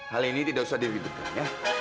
hal ini tidak usah dirugikan ya